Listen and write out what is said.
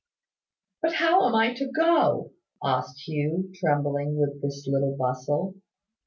"But how am I to go?" asked Hugh, trembling with this little bustle.